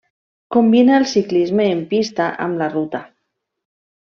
Combina el ciclisme en pista amb la ruta.